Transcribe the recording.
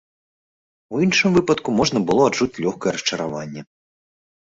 У іншым выпадку можна было адчуць лёгкае расчараванне.